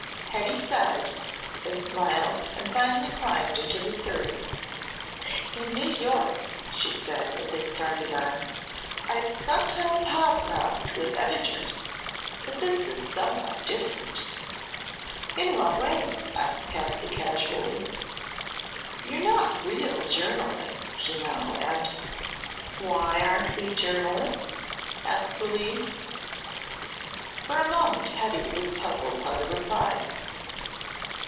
Hetty sighed, then smiled and finally climbed into the surrey. "In New York," she said, as they started on, "I've sometimes hobnobbed with editors; but this is somewhat different." "In what way?" asked Patsy casually. "You're not real journalists, you know, and " "Why aren't we journalists?" asked Louise. For a moment Hetty was puzzled how to reply.